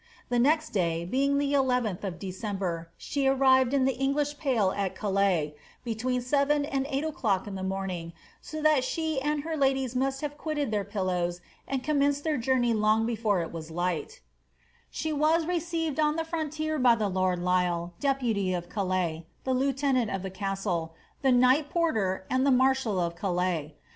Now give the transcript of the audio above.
Tlie next day, being the nth of December, she arrired in the English pale at Calais, between seven and eight o'clock in the morning, so that she and her ladies must have quitted their pillows and commenced their journey long before it was light She was received on the frontier by the lord Lisle, deputy of Calais, the lieutenant of the castle, the knight porter, and the marshal of Calais.